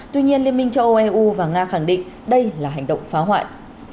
tuy nhiên liên minh châu âu eu và nga khẳng định đây là hành động phá hoại